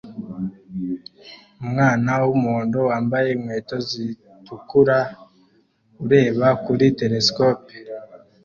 Umwana wumuhondo wambaye inkweto zitukura ureba kuri telesikope